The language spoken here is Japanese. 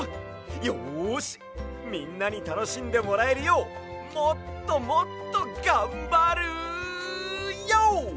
よしみんなにたのしんでもらえるようもっともっとがんばるＹＯ！